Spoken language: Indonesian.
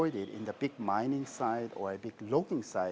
di pusat mining atau logam besar